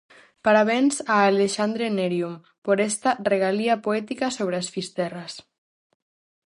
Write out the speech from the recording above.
Parabéns a Alexandre Nerium por esta regalía poética sobre as Fisterras.